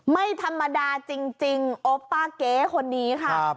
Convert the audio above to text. ไม่ธรรมดาจริงโอป้าเก๊คนนี้ค่ะ